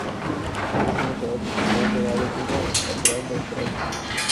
Es un luchador profesional de Vale tudo natural de Australia.